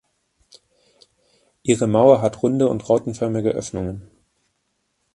Ihre Mauer hat runde und rautenförmige Öffnungen.